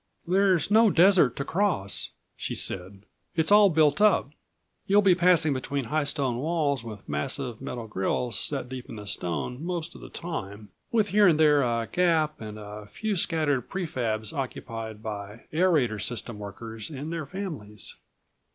"There's no desert to cross," she said. "It's all built up. You'll be passing between high stone walls with massive metal grills set deep in the stone most of the time, with here and there a gap and a few scattered pre fabs occupied by aereator system workers and their families."